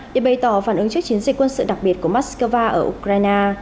để bày tỏ phản ứng trước chiến dịch quân sự đặc biệt của moscow ở ukraine